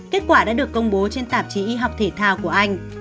kết quả đã được công bố trên tạp chí y học thể thao của anh